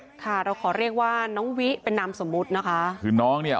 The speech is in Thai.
กรุงเทพฯค่ะเราขอเรียกว่าน้องวิเป็นน้ำสมบุตรนะคะคือน้องเนี่ย